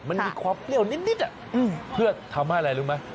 มันมีความเปรี้ยวนิดเพื่อทำให้อะไรรู้ไหม